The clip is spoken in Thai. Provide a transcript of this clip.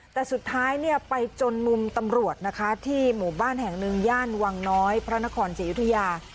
แต่สุดท้ายเนี่ยไปจนมุมตำรวจนะคะที่หมู่บ้านแห่งหนึ่งย่านวังน้อยพระนครศรียุธยา